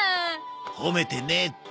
褒めてねえって！